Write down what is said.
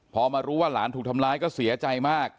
พอมารู้ว่าหลานถูกทำร้ายก็เสียใจมาก